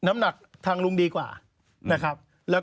ไม่ครับ